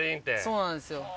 そうなんですよ。